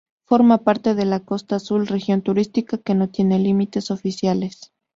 Forma parte de la Costa Azul, región turística que no tiene límites oficiales.